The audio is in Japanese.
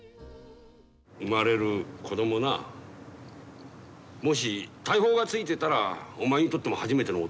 生まれる子どもなもし大砲がついてたらお前にとっても初めての男の子だ。